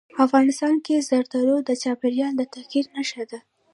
افغانستان کې زردالو د چاپېریال د تغیر نښه ده.